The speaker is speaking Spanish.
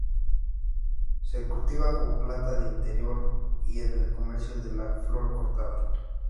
Se cultiva como planta de interior, y en el comercio de la flor cortada.